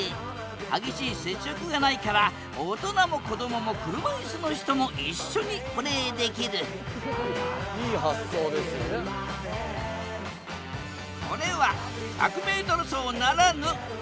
激しい接触がないから大人も子どもも車椅子の人も一緒にプレーできるこれは１００ｍ走ならぬ１００ｃｍ走。